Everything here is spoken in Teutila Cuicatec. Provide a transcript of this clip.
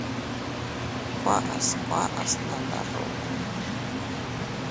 Kuaʼas kuaʼas nnanda ruú.